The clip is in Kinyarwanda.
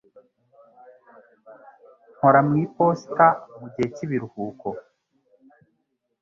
Nkora mu iposita mugihe cyibiruhuko